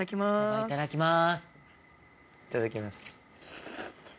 いただきます。